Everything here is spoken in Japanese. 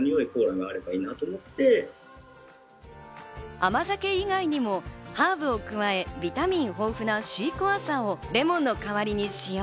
甘酒以外にもハーブを加え、ビタミン豊富なシークワーサーをレモンの代わりに使用。